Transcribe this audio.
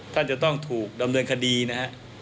ท่านจะต้องถูกดำเนินคดีนะฮะ